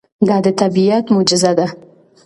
دا د طبیعت معجزه ده.